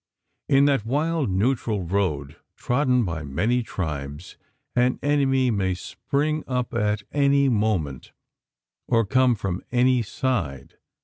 In that wild neutral road, trodden by many tribes, an enemy may spring up at any moment, or come from any side.